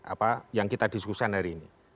apa yang kita diskusikan hari ini